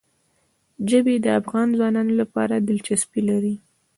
ژبې د افغان ځوانانو لپاره دلچسپي لري.